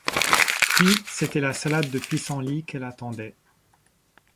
Puis, c’était la salade de pissenlits qu’elle attendait.